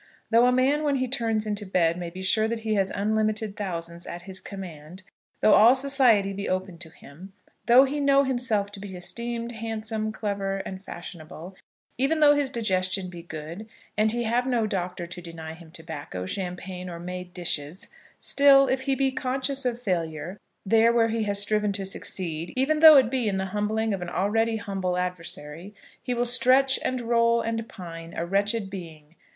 Though a man when he turns into bed may be sure that he has unlimited thousands at his command, though all society be open to him, though he know himself to be esteemed handsome, clever, and fashionable, even though his digestion be good, and he have no doctor to deny him tobacco, champagne, or made dishes, still, if he be conscious of failure there where he has striven to succeed, even though it be in the humbling of an already humble adversary, he will stretch, and roll, and pine, a wretched being.